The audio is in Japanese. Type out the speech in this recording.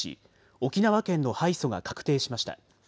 沖縄県の敗訴が確定しました。